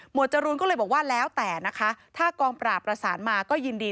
จรูนก็เลยบอกว่าแล้วแต่นะคะถ้ากองปราบประสานมาก็ยินดี